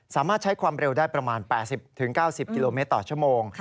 สามารถใช้ความเร็วได้ประมาณ๘๐๙๐กิโลเมตรต่อชั่วโมง